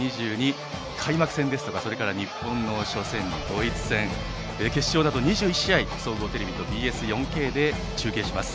開幕戦ですとか日本の初戦とかドイツ戦、決勝など２１試合総合テレビとＢＳ４Ｋで中継します。